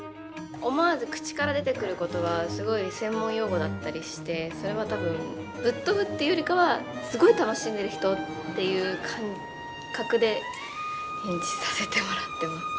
思わず口から出てくる言葉はすごい専門用語だったりしてそれは多分ぶっ飛ぶっていうよりかはすごい楽しんでる人っていう感覚で演じさせてもらってます。